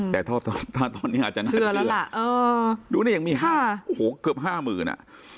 แต่ตอนตอนตอนนี้อาจจะเชื่อแล้วล่ะเออดูนี่ยังมีห้าโอ้โหเกือบห้ามือน่ะ